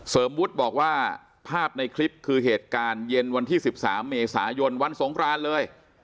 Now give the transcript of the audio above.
วุฒิบอกว่าภาพในคลิปคือเหตุการณ์เย็นวันที่๑๓เมษายนวันสงครานเลย